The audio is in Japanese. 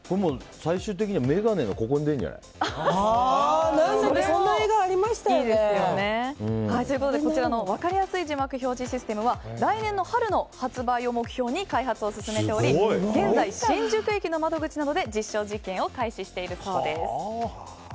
最終的には眼鏡のここに出るんじゃない？ということで、こちらのわかりやすい字幕表示システムは来年の春の発売を目標に開発を進めており現在、新宿駅の窓口などで実証実験を開始しているそうです。